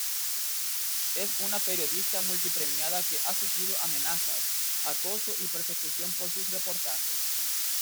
Es una periodista multipremiada que ha sufrido amenazas, acoso y persecución por sus reportajes.